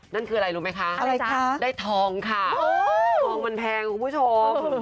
นั่นคืออะไรรู้ไหมคะได้ทองค่ะทองมันแพงคุณผู้ชม